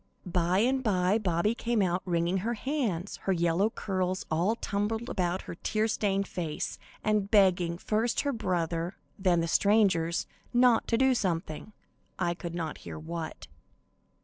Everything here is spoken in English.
By and by Bobby came out wringing her hands, her yellow curls all tumbled about her tear stained face, and begging, first her brother, then the strangers, not to do something, I could not hear what.